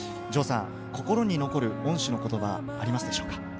心に残る恩師の言葉、ありますでしょうか？